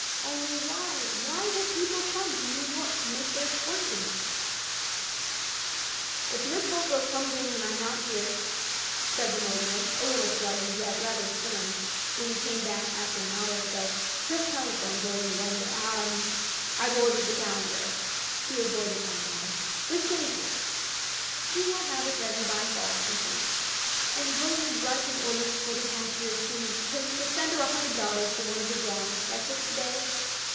Only, why — why will people come to New York to make their fortunes! " If Miss Holbrook comes in when I'm not here," said the Mogul, a little fluttered, yet [ 246 ] Digitized by LjOOQ IC E. Holbrookes Patience rather stern, when he came back after an hour or so, "just telephone, will you, and, ah — ^IVe ordered the Calendar'* — ^he avoided my eye — "with changes. She will have it ready by fall, she thinks — ^and will you write an order for the cashier to — ^to send her a hundred dollars for one of her drawings which I took to day?"